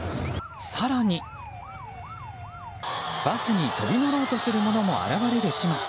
更に、バスに飛び乗ろうとする者も現れる始末。